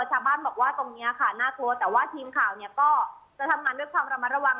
ชาวบ้านบอกว่าตรงนี้ค่ะน่ากลัวแต่ว่าทีมข่าวเนี่ยก็จะทำงานด้วยความระมัดระวัง